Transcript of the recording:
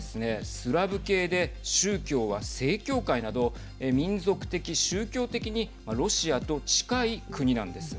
スラブ系で、宗教は正教会など民族的・宗教的にロシアと近い国なんです。